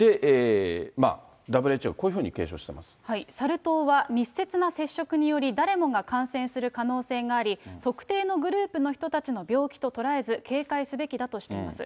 ＷＨＯ、サル痘は、密接な接触により、誰もが感染する可能性があり、特定のグループの人たちの病気と捉えず、警戒すべきだとしています。